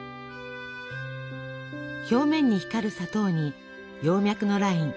表面に光る砂糖に葉脈のライン。